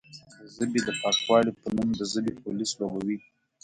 د ژبې د پاکوالې په نوم د ژبې پولیس لوبوي،